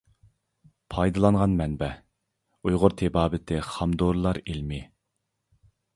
پايدىلانغان مەنبە : ئۇيغۇر تېبابىتى خام دورىلار ئىلمىي.